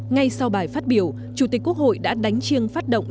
ngay sau bài phát biểu chủ tịch quốc hội đã đánh chiêng phát động